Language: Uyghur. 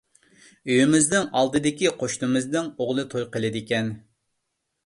ئۆيىمىزنىڭ ئالدىدىكى قوشنىمىزنىڭ ئوغلى توي قىلىدىكەن.